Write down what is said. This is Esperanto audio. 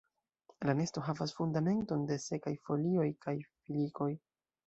La nesto havas fundamenton de sekaj folioj kaj filikoj.